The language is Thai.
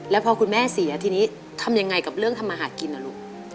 แล้วพอคุณแม่เสียทีนี้ทำยังไงกับเรื่องทำมาหากินนะลูก